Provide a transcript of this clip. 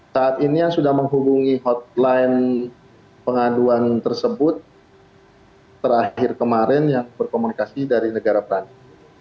saat ini yang sudah menghubungi hotline pengaduan tersebut terakhir kemarin yang berkomunikasi dari negara perancis